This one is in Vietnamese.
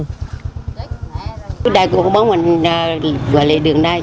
hôm nay cô không bảo mình gọi lệ đường này